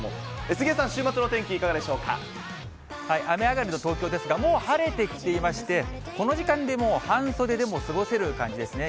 杉江さん、週末のお天気、いかが雨上がりの東京ですが、もう晴れてきていまして、この時間でも半袖でも過ごせる感じですね。